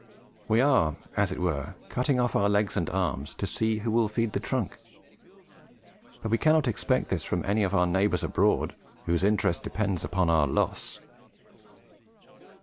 We are, as it were, cutting off our legs and arms to see who will feed the trunk. But we cannot expect this from any of our neighbours abroad, whose interest depends upon our loss."